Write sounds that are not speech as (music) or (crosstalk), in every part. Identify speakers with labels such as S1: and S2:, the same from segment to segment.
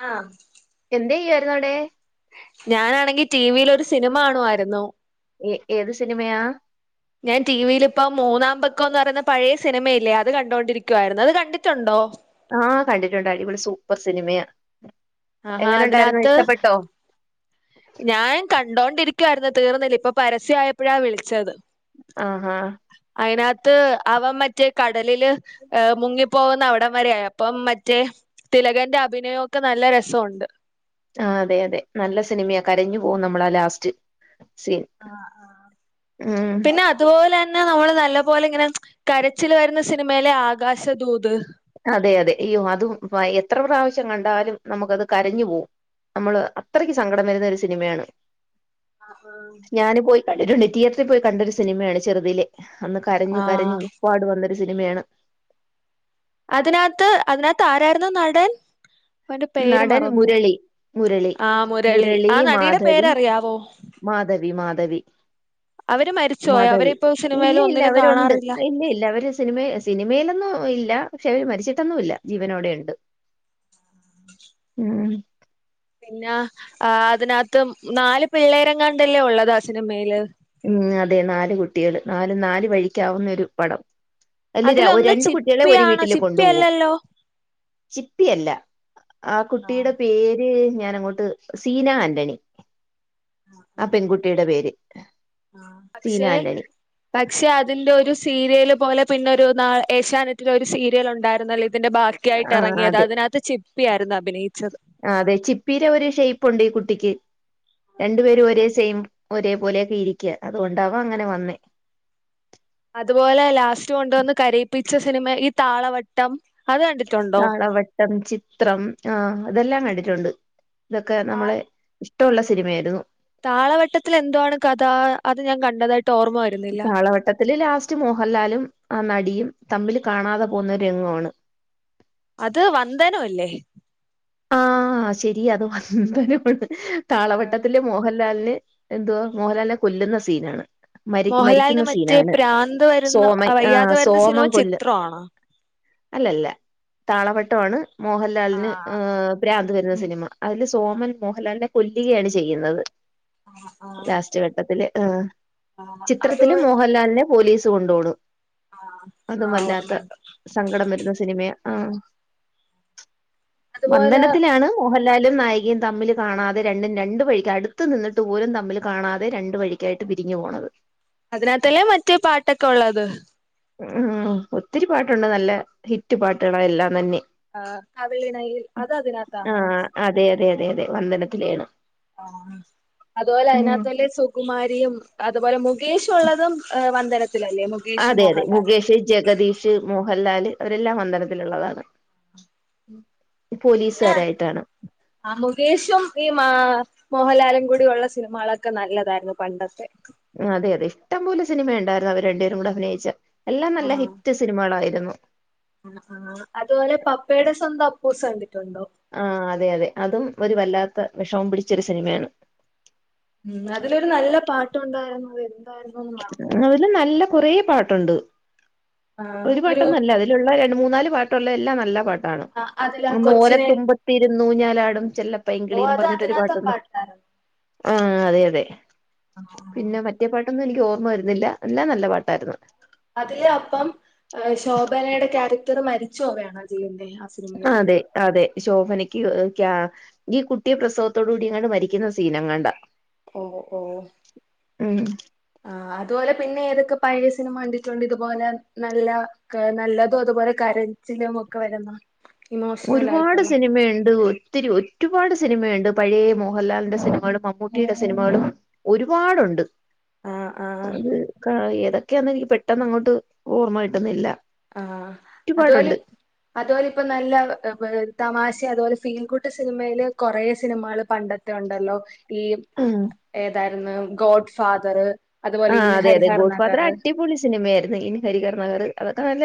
S1: ആ
S2: (unintelligible)
S1: ഞാനാണെങ്കി ടിവിൽ ഒരു സിനിമ കാണുവായിരുന്നു.
S2: ഏ ഏത് സിനിമയാ
S1: ഞാൻ ടിവിലിപ്പം മൂന്നാം പക്കോന്ന് പറയുന്ന പഴയ സിനിമയില്ലേ അത് കണ്ടൊണ്ടിരിക്കുവായിരുന്നു അത് കണ്ടിട്ടോണ്ടോ
S2: ആഹ് കണ്ടിട്ടോണ്ട് അടിപൊളി സൂപ്പറ് സിനിമയാ
S1: ആഹാ
S2: എങ്ങനെണ്ടാരുന്നു
S1: അതിനകത്ത്
S2: ഇഷ്ടപ്പെട്ടോ
S1: ഞാൻ കണ്ടോണ്ടിരിക്കുവാരുന്നു തീർന്നില്ല ഇപ്പൊ പരസ്യയപ്പോഴാ വിളിച്ചത്
S2: ആഹാ
S1: അയിനത്ത് അവൻ മറ്റേ കടലില് ഏഹ് മുങ്ങിപ്പോകുന്ന അവിടം വരെ ആയി അപ്പം മറ്റേ തിലകന്റെ അഭിനയൊക്കെ നല്ല രസവോണ്ട്
S2: ആ അതെ അതെ നല്ല സിനിമയാ കരഞ്ഞു പോകും നമ്മളാ ലാസ്റ്റ് സീൻ
S1: ആ ആ
S2: ഉം
S1: പിന്നെ അതുപോലെ ന്നെ നമ്മള് നല്ല പോലെ ഇങ്ങനെ കരച്ചില് വരുന്ന സിനിമയല്ലെ ആകാശദൂത്
S2: അതെ അതെ അയ്യോ അതും എത്ര പ്രാവശ്യം കണ്ടാലും നമുക്കത് കരഞ്ഞു പോകും നമ്മള് അത്രക്ക് സങ്കടം വരുന്ന ഒരു സിനിമയാണ്
S1: ആ ആ
S2: കണ്ടിട്ടൊണ്ട് തിയറ്ററി പോയി കണ്ടൊരു സിനിമയാണ് ചെറുതിലെ അന്ന് കരഞ്ഞ്
S1: ആഹ്
S2: കരഞ്ഞ് ഉപ്പാട് വന്ന് സിനിമയാണ്
S1: അതിനത്ത് അതിനത്തരാരുന്നു നടൻ അവന്റെ പേര്
S2: നടൻ
S1: മറന്നു
S2: മുരളി മുരളി
S1: ആ
S2: മുരളി
S1: ആ നടിയുടെ
S2: മാധവി
S1: പേരറിയാവോ
S2: മാധവി മാധവി
S1: അവര് മരിച്ചുപോയോ
S2: മാധവി
S1: അവരിപ്പോ
S2: ഇല്ലി
S1: സിനിമയിലും
S2: ഇല്ല
S1: ഒന്നിലും
S2: അവരോണ്ട്
S1: കാണാറില്ല
S2: ഇല്ലി ഇല്ല അവര് സിനിമ സിനിമയിലൊന്നും ഇല്ല പക്ഷെ അവര് മരിച്ചി ട്ടൊന്നും ഇല്ല ജീവനോടെണ്ട് മ്
S1: പിന്നെ ആ അതിനത്ത് മ് നാല് പിള്ളേരങ്ങാണ്ട് അല്ലെഒളളത് ആ സിനിമേൽ
S2: മ് അതെ നാല് കുട്ടികൾ നാലും നാൽ വഴിക്ക് ആകുന്ന ഒരു പടം അല്ല ര ഒ
S1: അതിലൊന്ന്
S2: ഒരണ്ടുക്കുട്ടികളെ ഒരു
S1: ചിപ്പിയാണോ
S2: വീട്ടിൽ കൊണ്ട് പോവും
S1: ചിപ്പിയല്ലല്ലോ
S2: ചിപ്പിയല്ല ആ
S1: ആഹ്
S2: കുട്ടിയുടെ പേ ര് ഞാൻ അങ്ങോട്ട് സീന ആന്റണി ആ
S1: ആഹ് ആഹ്
S2: പെൺകുട്ടിടെ പേര് സീന
S1: പക്ഷെ
S2: ആന്റണി.
S1: പക്ഷെ അതിന്റെ ഒരു സീരിയ ൽപോലെ പിന്നെ ഒരു നാ ഏഷ്യാനെറ്റിൽ ഒരു സീരിയൽ ഉണ്ടായിരുന്നെല്ലോ ഇ ഇതിന്റെ
S2: ആ
S1: ബാക്കിയായിട്ടെറങ്ങിയത്
S2: അതെ.
S1: അതിനത്ത് ചി പ്പി ആയിരുന്നു അഭിനയിച്ച
S2: ആ അതെ ചിപ്പീടെ ഒരു ഷേപ്പ് ഉണ്ട് ഈ കുട്ടിക്ക് രണ്ടു പേരും ഒരേ സെയിം ഒരേ പോലെയൊക്കെ ഇരിക്യ അതുകൊണ്ടാവും അങ്ങനെ വന്നേ
S1: അതുപോലെ ലാസ്റ്റ് കൊണ്ടുവന്ന് കരയിപ്പി ച്ച സിനിമ ഈ താളവട്ടം അത് കണ്ടിട്ടുണ്ടോ?
S2: താളവട്ടം ചിത്രം ആഹ ഇത് എല്ലാം കണ്ടി ട്ടുണ്ട് ഇതൊക്കെ
S1: താ
S2: നമ്മളെ ഷ്ട്ടോള്ള സിനിമയായിരുന്നു
S1: താളവട്ടത്തിൽ എന്തുവാണ് കഥ അത് ഞാൻ കണ്ടതായി
S2: താളവട്ടത്തില് ലാസ്റ്റ് മോഹൻലാലും ആ നടിയും തമ്മിൽ കാണാതെ പോകുന്ന ഒരു രംങ്കോണ്
S1: അത് വന്തനോ അല്ലേ
S2: ആആ ശെരിയാ അത് വന്തനം ആണ് താളവട്ടത്തിൽ മോഹൻലാ മോഹൻലാലിൻ എന്തുവാ മോഹൻലാലിനെ കൊല്ലുന്ന സീനാണ് മരി
S1: മോഹൻലാലിന്
S2: മരിക്കുന്ന
S1: മറ്റേ
S2: സീനാണ്
S1: പ്രാന്ത് വരുന്ന
S2: സോമൻ
S1: അ വയ്യാതെ വരുന്ന സിനിമ ചിത്രം ആണ്
S2: അല്ല അല്ല താളവട്ടആണ് മോഹൻലാലിന്
S1: ആഹ്
S2: ആ ഭ്രാന്ത് വരുന്ന സിനിമ അതില് സോമൻ മോഹൻലാലിനെ കൊല്ലുകയാണ് ചെയ്യുന്നത്
S1: ആഹ് ആഹ്
S2: ലാസ്റ്റ് ഘട്ടത്തില് അ
S1: ആഹ് അതോ
S2: ചിത്രത്തില് മോഹൻലാലിനെ പോലീസ് കൊണ്ടോണ്
S1: ആഹ് ആഹ്
S2: അതുംവല്ലാത്ത
S1: ഓർമ്മയുണ്ട്.
S2: സങ്കടം വരുന്ന സിനിമയാ അ
S1: അതുപോലെ
S2: വന്ദനത്തിലാണ് മോഹ ലാലും നായികയും തമ്മില് കാണാതെ രണ്ടും രണ്ട് വഴിക്ക് അടുത്ത് നിന്നിട്ട് പോലും തമ്മില് കാണാതെ രണ്ട് വഴിക്കായിട്ട് പിരിഞ്ഞു പോണത്
S1: അതിനകത്തല്ലേ മറ്റേ പാട്ടൊക്കെ ഉള്ളത്
S2: ഉം ഒത്തിരി പാട്ടുണ്ട് നല്ല ഹിറ്റ് പാട്ടുകള എല്ലാം തന്നെ
S1: അ കവിളിണയിൽ അത് അതിനകത്താണോ
S2: ആഹ് അതെ അതെ അതെ അതെ വന്ദനത്തിലെയാണ്
S1: ആ അതുപോലെ
S2: ഉം
S1: അതിനതിനകത്ത്ല്ലെ സുകുമാരിയും അതുപോലെ മു മുഗേഷ്ള്ളതും വന്ത
S2: അതെ അതെ മുകേഷ് ജഗദീഷ് മോഹൻ ഹലാല് അവരെല്ലാം വന്ദനത്തിലുള്ളതാണ്
S1: പിന്നെ
S2: പോലീസുകാരായിട്ടാണ്
S1: ആ മുകേഷും ഈ മാ മോഹൻലാലും കൂടി ഉള്ള സിനിമകളൊക്കെ നല്ലതായിരുന്നു പണ്ടത്തെ
S2: അതെ അതെ ഇഷ്ടംപോലേ സിനിമ ണ്ടായിരുന്നു അവര് രണ്ടുപേരു കൂടെ അഭിനയിച്ച എല്ലാം നല്ല ഹിറ്റ് സിനിമകളാ യിരുന്നു ന്നു
S1: ആ ആ അതുപോലെ പപ്പയുടെ സ്വന്തം അപ്പൂസാണ്
S2: ആ അതെ അതെ അതും ഒരു വല്ലാത് വിഷമം പിടിച്ചൊരു സിനിമയാണ്
S1: ഉം അതിലൊരു നല്ല പാട്ടുണ്ടായിരുന്നു അതെ
S2: അത് ഒരു നല്ല കുറേ പാട്ടുണ്ട് ഒരു പാട്ടൊന്നല്ല അതിലുള്ള മൂന്നാല് പാട്ടുള്ള എല്ലാം നല്ല പാട് ആണ്.
S1: ആഹ് അതിലാ കൊച്ചിനെ
S2: ഓലത്തുമ്പത്തിരു ന്നൂഞ്ഞാലാടും
S1: ഓ
S2: ചെല്ലപ്പയ്ങ്കിളീന്ന്
S1: അത്
S2: പറഞ്ഞിട്ടൊരു
S1: അതിനകത്തെ
S2: പാട്ടുണ്ട്
S1: പാട്ടായിരുന്നു
S2: ആഹ് അതെ അതെ പിന്നെ മറ്റെ പാട്ട് ഒന്നും എനിക്ക് ഓർമ്മ വരുന്നില്ല എല്ലാം നല്ല പാട്ടായിരുന്നു
S1: അതില് അപ്പം ആഹ് ശോഭനയുടെ ക്യാരക്ടർ മരിച്ച് പോവയാണോ ചെയ്യുന്നേ
S2: അതെ അതെ ശോഭനയ്ക്ക് ഏഹ് ക്കാ ഈ കുട്ടിയെ പ്രസവത്തോടു കൂടി എങ്ങാണ്ട് മരിക്കുന്ന സീൻ എങ്ങാണ്ടാ
S1: ഓ ഓ ആ അതുപോലെ പിന്നെ ഏത് പഴേ സിനിമ കണ്ടിട്ടുണ്ട് ഇതുപോലെ നല്ല ക് നല്ലതും അതുപോലെ കരച്ചിലും ഒക്കെ വരുന്നാ
S2: ഒരുപാട് സിനിമയുണ്ട് ഓ ഒത്തിരി ഒരുപാട് സിനിമയുണ്ട് പഴേ മോഹൻലാലിന്റെ സിനിമകളും മമ്മൂട്ടിയുടെ സിനിമകളും ഒരുപാടുണ്ട്
S1: ആഹ് ആഹ്
S2: അത് കാ ഏതൊക് ഏതൊക്കെയാന്ന്‌ എനിക്ക് പെട്ടെന്ന് അങ്ങോട്ട് ഓർമ്മ കിട്ടുന്നില്ല
S1: ആഹ് അതുപോലെ
S2: ഒരുപാടുണ്ട്
S1: അതുപോലെ ഇപ്പ നല്ല (unintelligible) തമാശ അതുപോലെ ഫീൽഗുട്ട് സിനിമയില് കൊറേ സിനിമകള് പണ്ടത്തെ ഒണ്ടല്ലോ ഈ
S2: ആഹ്
S1: ഏതാ (unintelligible) ഗോഡ് ഫാദറ് അതുപോലെ
S2: ആഹ്
S1: ഇൻ
S2: അതെ അതെ
S1: ഹരിഹർ
S2: ഗോഡ് ഫാദർ
S1: നഗർ
S2: അടിപൊളി സിനിമയായിരുന്നു ഇൻ ഹരിഹർ നഗർ അതൊക്കെ നല്ല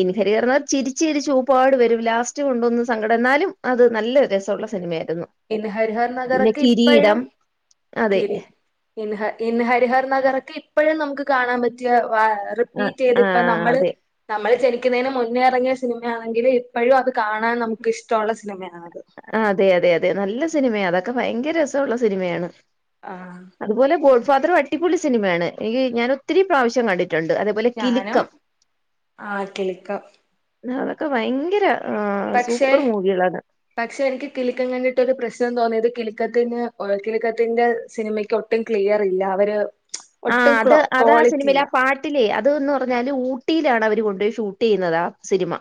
S2: ഇൻ ഹരിഹർ നഗർ ചിരിച്ച് ചിരിച്ച് ഉപ്പാട് വരും ലാസ്റ്റ് കൊണ്ടൊന്ന് സങ്കടം എന്നാലും അത് നല്ല രസമുള്ള സിനിമയാ
S1: ഇൻ ഹരിഹർ നഗറക്കെ ഇപ്പഴും
S2: അതെ
S1: കിരി ഇൻ ഹ ഇൻ ഹരിഹർ നഗറൊക്കെ ഇപ്പഴും നമുക്ക് കാണാൻ പ റ്റിയ വ
S2: ആഹ്
S1: റിപീറ്റ് ചെയ്തിപ്പ
S2: ആഹ്
S1: നമ്മള്
S2: അതെ
S1: നമ്മൾ ജനിക്കുന്നതിന് മുൻ ന്നെ ഇറങ്ങിയ സിനിമയാണെങ്കിലും ഇപ്പഴും അത് കാണാൻ നമുക്ക് ഇഷ്ട്ടോള്ള സിനിമയ
S2: അതെ അതെ അതെ നല്ല സിനിമയാ അതൊക്കെ ഭയങ്കര രസൊള്ള സിനിമയാണ്
S1: ആഹ്
S2: അതുപോലെഗോ ഡ്ഫാദറും അടിപൊളി സിനിമയാണ് എനിക്ക് ഞാൻ ഒത്തിരി പ്രാവശ്യം കണ്ടി
S1: ഞാനും ആ കിലുക്കം
S2: ന്നതൊക്കെ ഭയങ്കര ആ സൂപ്പർ മൂവികളാണ്
S1: പക്ഷെ എനിക്ക് കിലിക്കം കണ്ടിട്ടൊരു പ്രശ്നം തോന്നിയത് കിലിക്കത്തിന് ഒര് കിലിക്കത്തിന്റെ സിനിമയ്ക്ക് ഒട്ടും ക്ലിയർ ഇല്ല അവര്
S2: ആ
S1: ഒട്ടും
S2: അത്
S1: ക്ലോ
S2: അതാ
S1: ക്വാളിറ്റി ഇല്ല
S2: സിനിമയിലാ പാട്ടിലേ അത് ന്ന് പറഞ്ഞാല് ഊ ട്ടിയിലാണ് അവര് കൊണ്ടോയി ഷൂട്ട് ചെയ്യുന്നത് ആ സിനിമ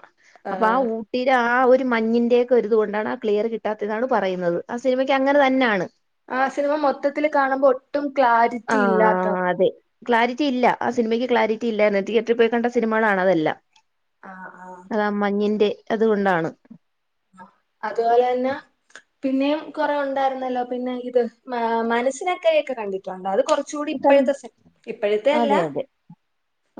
S2: അപ്പൊ ആ ഊട്ടിലാ ആ ഒര് ഒര് മഞ്ഞിന്റേക്കൊരിതു കൊണ്ടാണ് ആ ക്ലിയർ കിട്ടാത്തെതാണ് പറയ്ന്നത് ആ സിനിമയ്ക്ക് അങ്ങനെ തന്നാണ്
S1: ആ സിനിമ മൊത്തത്തില് കാണുമ്പോ ഒട്ടും
S2: ആ
S1: ക്ലാരിറ്റി ഇല്ലാത്ത
S2: അതെ ക്ലാരിറ്റിയില്ല ആ സിനിമയ്ക്ക് ക്ലാരിറ്റിയില്ലായിരുന്ന് തീയേറ്ററി പോയി കണ്ട സിനിമകളാണതെല്ലാം
S1: ആഹ് ആഹ്
S2: അതാ മഞ്ഞിന്റെ അതുകൊണ്ടാണ്
S1: ആ അതുപോലെന്നെ പിന്നെയും കുറെ ഉണ്ടായിരുന്നല്ലോ പിന്നെ ഇത് മാ മനസ്സിനക്കരെയൊക്കെ കണ്ടിടുണ്ടൊ അത് കുറച്ചുകൂടി
S2: കണ്ട്
S1: ഇപ്പോഴത്തെ സെ ഇപ്പോഴത്തെ അല്ല
S2: അതെ അതെ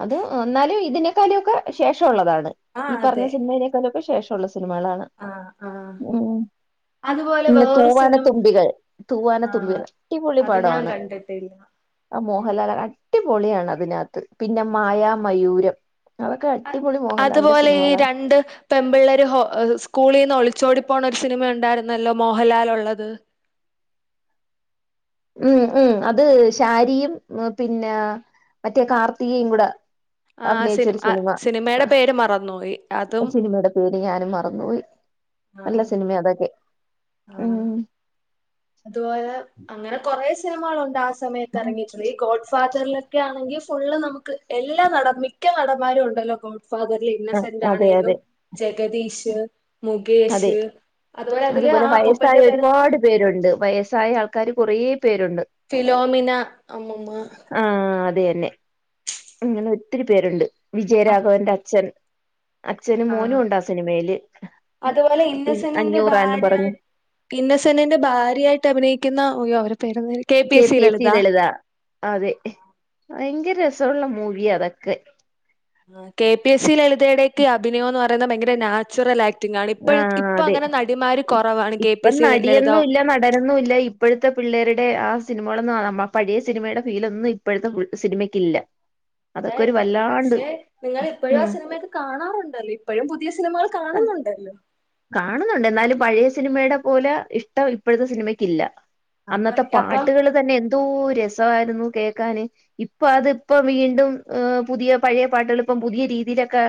S2: അത് എന്നാലും ഇതിനെ കലിയൊക്കെ ശേഷം ഒള്ളതാണ്
S1: ആ
S2: ത് ഈ പറ്ഞ്ഞ
S1: അതെ
S2: സിനിമയിലേക്കത് വിശേഷ ഒള്ള സിനിമളാണ്
S1: ആ ആ
S2: ഉം
S1: അതുപോലെ
S2: പിന്നെ
S1: വേറൊരു
S2: തൂവാന
S1: സിനിമ
S2: തുമ്പികൾ തൂവാന
S1: ആ
S2: തുമ്പികൾ അടിപൊളി
S1: അത് ഞാൻ
S2: പടവാണ്
S1: കണ്ടിട്ടില്ല
S2: ആ മോഹൻലാലാ അടിപൊളിയാണതിനാത്ത് പിന്നെ മായാമയൂരം
S1: ആ അതുപോലെ ഈ രണ്ട് പെമ്പിള്ളേര് ഹോ ഏഹ് സ്കൂളീന്ന് ഒളി ച്ചോടി പോണ ഒരു സിനിമ ഒണ്ടായിരുന്നല്ലോ മോഹൻലാലുള്ളത്
S2: ഉം ഉം അത് ശാരിയും പിന്നെ മറ്റേ കാർത്തികയും കുടെ
S1: ആ സിനിം അ സിനിമേടെ പേര് മറന്ന് പോയി
S2: ആ
S1: അതും
S2: സിനിമയുടെ പേര് ഞാനും മറന്ന് പോയി
S1: ആ
S2: നല്ല സിനിമയാ അതോക്കെ
S1: ആ അതുപോലെ അങ്ങനെ കൊറേ സിനിമ കളൊണ്ട് ആസ് (unintelligible) ഗോഡ് ഫാദറിലോക്കെ ആണെങ്കില് ഫുള്ള് നമുക്ക് എല്ലാ നടം മിക്ക നടം മാരും ഉണ്ടല്ലോ കോ ഫാദർല്
S2: ആ,
S1: ഇന്നസെന്റാ
S2: അതെ
S1: ആണേലും
S2: അതെ
S1: ജഗദീഷ് മു കേഷ് അത് പോലോ
S2: ത് പോലെ വയസ്സായ ഒരുപാട് പേരുണ്ട് വയ സ്സായ ആൾക്കാര് കുറേ പേരുണ്ട്
S1: ഫിലോമിന അമ്മൂമ്മ
S2: നെ അങ്ങനെ ഒത്തിരി പേരുണ്ട്
S1: അത്
S2: വിജയരാഘവൻറെ അച്ഛൻ അച്ഛനും
S1: ആ
S2: മോനും ഉണ്ടാ സിനിമയില്
S1: അതുപോലെ
S2: പിൻ
S1: ഇന്നസെന്റിന്റെ
S2: അഞ്ഞൂറാന്ന് പറഞ്ഞു
S1: ഭാര്യയായി ഇന്നസെന്റിന്റെ ഭാര്യയായിട്ട് അഭിനയിക്കുന്ന (unintelligible)
S2: K P S C Lalitha അതെ ഭയങ്കര രസവുള്ള മൂവിയാ അതൊക്കെ
S1: കെ പി എസ് സി ലെളി തേടെ ഒക്കെ അഭിനയോന്ന് പറ ഭയങ്കര നാച്ചുറൽ ആക്
S2: ആഹ് അതെ ഇ
S1: കുറവാണ് കെ പി
S2: ഇപ്പം
S1: എസ് സി ലളിത
S2: നടിയെന്നും ഇല്ല നടനൊന്നും ഇല്ല ഇപ്പഴത്തെ പിള്ളേരിടെ ആ സിനിമകളൊന്നും (unintelligible) ആ പഴയ സിനിമയുടെ ഫീലോന്നും ഇപ്പഴത്തെ സിനിമക്കില്ല
S1: (unintelligible) പക്ഷെ നിങ്ങള് ഇപ്പഴും ആ
S2: ഉം
S1: സിനിമയൊക്കെ കാണാറുണ്ടല്ലോ ഇപ്പഴും പുതിയ സിനിമകൾ കാണുന്നുണ്ടല്ലോ.
S2: കാണുന്നുണ്ട് എന്നാലും പഴയ സിനിമയുടെ പോലെ ഇഷ്ടം ഇപ്പഴത്തെ സിനിമക്കില്ല
S1: അപ്പൊ
S2: അന്നത്തെ
S1: അപ്പം
S2: പാട്ടുകള് തന്നെ എ എന്തോ രസവായിരുന്നു കേക്കാന്, ഇപ്പൊ അതിപ്പോ വീണ്ടും ഏഹ് പുതിയ പഴയ പാട്ടുകൾ ഇപ്പം പുതിയ രീതിയിലൊക്കെ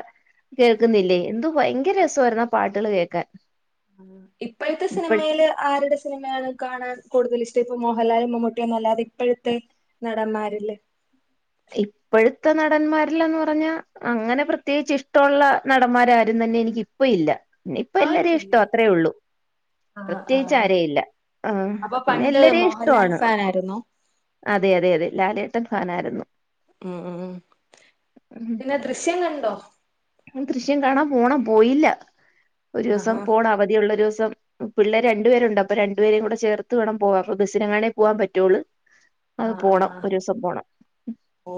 S2: കേൾക്കുന്നില്ലേ എന്തോ ഭയങ്കര രസവായിരുന്നു ആ പാട്ടുകള് കേ ക്കാൻ
S1: ഇപ്പോഴത്തെ സിനിമയില് ആര്ടെ സിനിമയാണ് കാണാൻ കൂടുതൽ ഇഷ്ടം ഇപ്പ മോഹൻലാലും മമ്മൂട്ടിയോന്നും അല്ലാതെ ഇപ്പോഴത്തെ നടന്മാരില്
S2: ഇപ്പോഴത്തെ നടന്മാരിലന്ന് പറഞ്ഞാ അങ്ങനെ പ്രത്യേകിച്ച് ഇഷ്ടോള്ള നടന്മാരാരും തന്നെ എനിക്ക് ഇപ്പ ഇല്ല ഇപ്പ എല്ലാരെ ഇഷ്ട
S1: ആരുമില്ലേ
S2: അത്രേ ഉള്ളൂ
S1: ആ ആ
S2: പ്രത്യേകിച്ച് ആരേയില്ല ആ
S1: അപ്പൊ
S2: പിന്നെ
S1: പണ്ട്
S2: എല്ലരേം
S1: മോഹൻലാൽ
S2: ഇഷ്ടാണ്
S1: ഫാൻ ആയിരുന്നോ
S2: അതെ അതെ അതെ ലാലേ ഫാനായിരുന്നു
S1: ഉം ഉ പിന്നെ ദൃശ്യം കണ്ടോ (inaudible)
S2: ദൃശ്യം കാണാൻ പോണം പോയില്ല ഒരൂസം
S1: ആഹാ
S2: പോണം അവധിയുള്ള ഒരൂസം പിള്ളേര് രണ്ടുപേരുണ്ട് അപ്പൊ രണ്ടുപേരേ കൂടെ ചേർത്ത് വേണം പോവാൻ അപ്പൊ ബസിന് എങ്ങാനെ പോവാൻ പറ്റുള്ളൂ
S1: ആ
S2: അത്
S1: അ
S2: പോണം
S1: അ
S2: ഒരൂസം പോണം.
S1: ഓ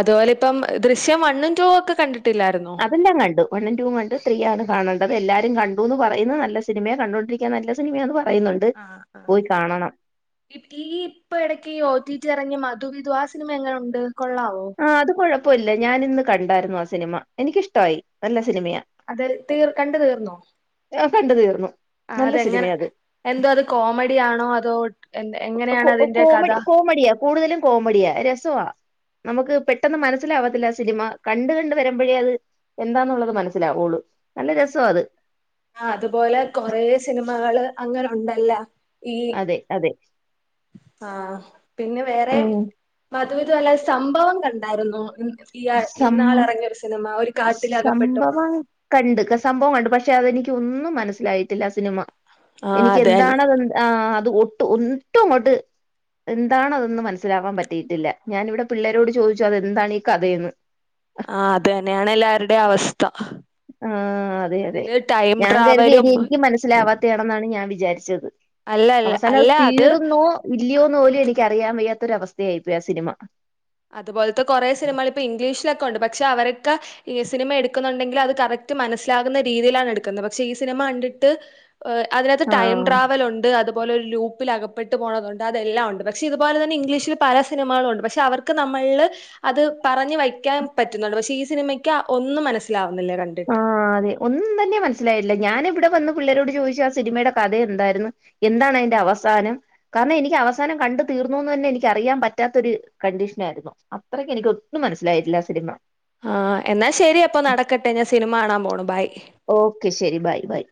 S1: അതുപോലെ ഇപ്പം ദൃശ്യം വണ്ണും ടുവും കണ്ട്
S2: അതെല്ലാം കണ്ടു വൺഉം ടുവും കണ്ട് ത്രീ ആണ് കാണെണ്ടത് എല്ലാവരും കണ്ടുന്നു പറയുന്നു നല്ല സിനിമയ കണ്ടൊണ്ടിരിക്കൻ നല്ല സിനിമയന്ന് പ
S1: ആ ആ ഈ ഇപ്പ ഇടക്ക്ഈ ഒട്ടിട്ടി ഇറങ്ങ്യ മ വിധു ആ സിനിമ എങ്ങനെ ഉണ്ട്
S2: ആ അത് കൊഴപ്പമില്ല ഞാനിന്ന് കണ്ടായിരുന്നു ആ സിനിമ എനിക്കിഷ്ടായി നല്ല സിനിമയാ
S1: അത് തീർ കണ്ട് തീർന്നോ
S2: ആ കണ്ടു തീർന്നു
S1: ആ
S2: നല്ല
S1: അതെങ്ങനെ
S2: സിനിമയാ അത്
S1: എന്തോ അത് കോമഡി ആണോ അതോ
S2: ക്
S1: എങ്ങനെയാണ്
S2: ക്
S1: അതിന്റെ കഥ
S2: കോമഡി കോമഡിയാ കൂടുതലും കോമഡിയാ രസ്വ നമുക്ക് പെട്ടെന്ന് മനസ്സിലാവാത്തില്ല സിനിമ കണ്ട് കണ്ട് വരുമ്പോഴേ അത് എന്താന്നുള്ളത് മനസ്സിലാവുള്ളു നല്ല രസാ അത്
S1: ആ അതുപോലെ കൊറേ സിനിമകള് അങ്ങനെ ഉണ്ടല്ല ഈ
S2: അതെ അതെ
S1: ആ പിന്നെ വേറെ
S2: ഉം
S1: മധുവിധു അല്ലാെ സംഭവം കണ്ടായിരുന്നോ ഈ
S2: സം
S1: ഇന്നാൾ ഇറങ്ങിയ ഒരു സിനിമ ഒരു കാട്ടിലകപ്പെട്ടു പോണ
S2: സംഭവം കണ്ട് സംഭവണ്ട് പക്ഷെ അതെനിക്ക് ഒന്നും മനസ്സിലായിട്ടില്ല സിനിമ
S1: ആഹ്
S2: എനിക്ക്
S1: അത് തന്നെ
S2: എന്താണതെന്ന് ആ അത് ഒട്ടും ഒട്ടുംങ്ങോട്ട് എന്താണ് അതെന്ന് മനസ്സിലാവാൻ പറ്റിയിട്ടില്ല ഞാനിവിടെ പിള്ളേരോട് ചോദിച്ചു അതെന്താണ് ഈ കഥയെന്ന്
S1: ആ അ തെന്നെയാണ് എല്ലാവരുടെ അവസ്ഥ
S2: ആഹ് അതെ അതെ
S1: അതില് ടൈം
S2: ഞാൻ
S1: ട്രാവലും
S2: ചാരിച്ചത്
S1: അല്ല അല്ല
S2: അവസാനം അത്
S1: അല്ല
S2: തീർന്നോ ഇല്ലയോന്ന് പോലും എനിക്കറിയാൻ വയ്യാ രവസ്ഥയായി പോയി അ സിനിമ
S1: അതുപോലത്തെ കൊറെ സിനിമ ഇപ്പൊ ഇംഗ്ലീഷിലൊക് ക്കൊണ്ട് പക്ഷെ അവരൊക്കെ ഈ സിനിമ എടുക്കുന്നുണ്ടെങ്കിൽ അത് കറക്റ്റ് മനസ്സിലാകുന്ന രീതിയിലാണ് എടുക്കുന്നത് പക്ഷെ ഈ സിനിമ കണ്ടിട്ട് അതിനകത്ത് ടൈം
S2: ആഹ്
S1: ട്രാവൽ ഉണ്ട് അത് പോലെ ലൂപ്പിലകപ്പെട്ട് പോണതുണ്ട് അതെല്ലാ ഉണ്ട് പക്ഷെ ഇതുപോലെ തന്നെ ഇംഗ്ലീഷിൽ പല സിനമകളൊണ്ട് പക്ഷെ അവർക്ക് ക്ക് നമ്മളില്ല് അത് പറഞ്ഞു വയ്ക്കാൻ പറ്റുന്നുണ്ട് പക്ഷെ ഈ സിനിമയ്ക്ക് ഒന്നും മനസ്സിലാവു
S2: ആ അതെ ഒന്നും തന്നെ മനസ്സിലായില്ല ഞാനി ഇവിടെ വന്ന് പിള്ളേരോട് ചോദിച്ചു ആ സിനിമയുടെ കഥ എന്തായിരുന്നു എന്താണ് അതിന്റെ അവസാനം കാരണം എനിക്ക് അവസാനം കണ്ട തീർന്നുന്ന് തന്നെ എനിക്ക് അറിയാൻ പറ്റാത്തൊ ഒരു കണ്ടീഷനായിയിരുന്നു അത്രക്ക് എനിക്ക് ഒട്ടും മനസ്സിലായിട്ടില്ല ആ സിനിമ
S1: ആ എന്നാ ശരി അപ്പൊ നടക്കട്ടെ ഞാ സിനിമ കാണാൻ പോണം (unintelligible)
S2: ഓക്കെ ശെരി ബൈ ബൈ